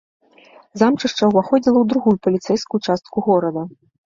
Замчышча ўваходзіла ў другую паліцэйскую частку горада.